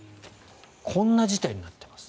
こんな事態になっています。